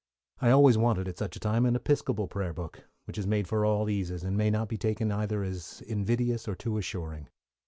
I always wanted, at such a time, an Episcopal prayer book, which is made for all eases, and may not be taken either as invidious or too assuring.